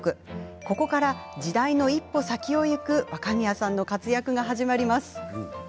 ここから時代の一歩先を行く若宮さんの活躍が始まります。